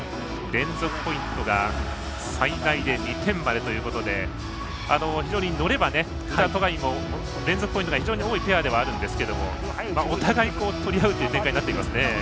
連続ポイントが最大で２点までということで非常に乗れば宇田、戸上も連続ポイントが非常に多いペアではあるんですがお互い取り合うという展開になっていますね。